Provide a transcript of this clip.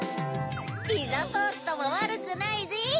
ピザトーストもわるくないぜ。